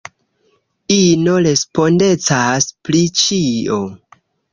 Ino respondecas pri ĉio.